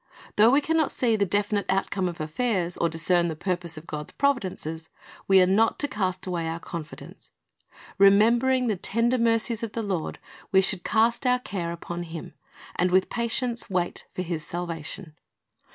Though we can not see the definite outcome of affairs, or discern the purpose of God's providences, we are not to cast away our confidence. Remembering the tender mercies of the Lord, we should cast our care upon Him, and with patience wait for His salvation.